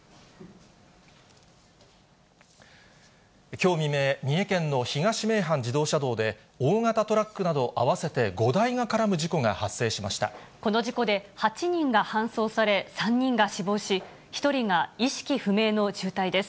きょう未明、三重県の東名阪自動車道で、大型トラックなど合わせて５台がこの事故で、８人が搬送され、３人が死亡し、１人が意識不明の重体です。